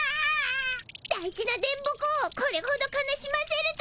大事な電ボ子をこれほど悲しませるとは。